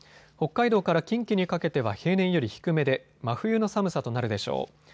北海道から近畿にかけては平年より低めで真冬の寒さとなるでしょう。